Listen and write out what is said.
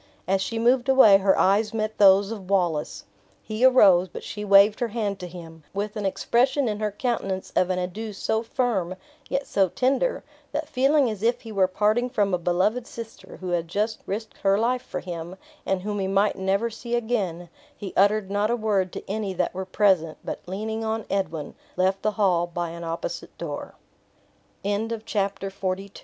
As she moved away her eyes met those of Wallace. He arose; but she waved her hand to him, with an expression in her countenance of an adieu so firm, yet so tender, that feeling as if he were parting from a beloved sister, who had just risked her life for him, and whom he might never see again, he uttered not a word to any that were present, but leaning on Edwin, left the hall by an opposite door. Chapter XLIII. The Carse of Stirling.